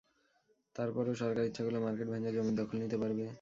তার পরও সরকার ইচ্ছা করলে মার্কেট ভেঙে জমির দখল নিতে পারবে।